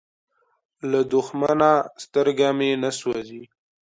له دښمنه سترګه مې نه سوزي.